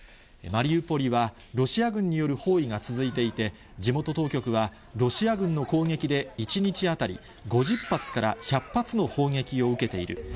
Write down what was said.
マリウポリは、ロシア軍による包囲が続いていて、地元当局は、ロシア軍の攻撃で１日当たり５０発から１００発の砲撃を受けている。